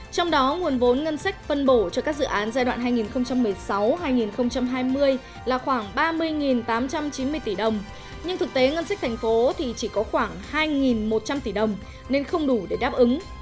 trong đó nguồn vốn ngân sách phân bổ cho các dự án giai đoạn hai nghìn một mươi sáu hai nghìn hai mươi là khoảng ba mươi tám trăm chín mươi tỷ đồng nhưng thực tế ngân sách thành phố thì chỉ có khoảng hai một trăm linh tỷ đồng nên không đủ để đáp ứng